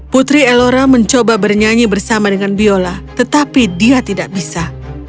putri ellora mencoba bernyanyi bersama dengan biola tetapi dia tidak bisa